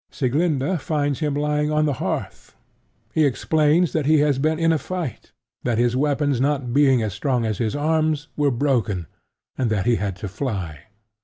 Sieglinda finds him lying on the hearth. He explains that he has been in a fight; that his weapons not being as strong as his arms, were broken; and that he had to fly.